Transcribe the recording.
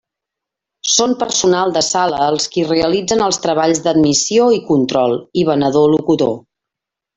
Són personal de sala els qui realitzen els treballs d'admissió i control, i venedor-locutor.